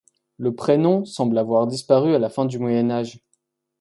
Le prénom semble avoir disparu avant la fin du Moyen Âge.